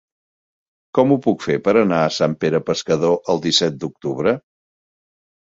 Com ho puc fer per anar a Sant Pere Pescador el disset d'octubre?